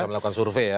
melakukan survei ya